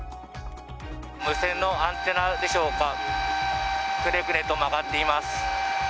無線のアンテナでしょうか、くねくねと曲がっています。